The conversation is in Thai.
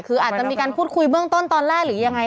คืออาจจะมีการพูดคุยเบื้องต้นตอนแรกหรือยังไง